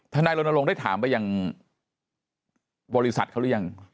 ธนายโรนโลงได้ถามไปบริษัทเขาหรือยัง